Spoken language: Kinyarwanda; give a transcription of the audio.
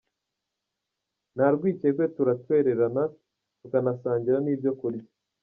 Nta rwicyekwe turatwererana tukanasangira n’ibyo kurya.